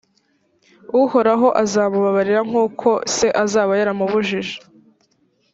uhoraho azamubabarira kuko se azaba yamubujije.